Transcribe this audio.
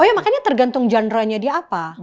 oh ya makanya tergantung genre nya dia apa